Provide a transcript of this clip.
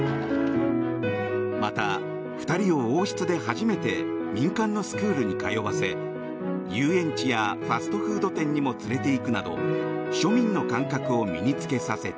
また、２人を王室で初めて民間のスクールに通わせ遊園地やファストフード店にも連れていくなど庶民の感覚を身に着けさせた。